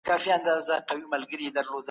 کله به نړیواله ټولنه هوکړه تایید کړي؟